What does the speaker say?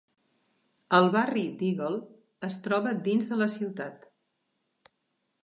El barri d'Eagle es troba dins de la ciutat.